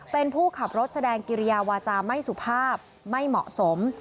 เป็นผู้ขับรถแสดงกิริยาวาจาไม่สุภาพไม่เหมาะสม